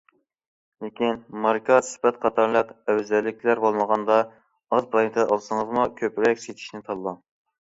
لېكىن، ماركا، سۈپەت قاتارلىق ئەۋزەللىكلەر بولمىغاندا ئاز پايدا ئالسىڭىزمۇ كۆپرەك سېتىشنى تاللاڭ.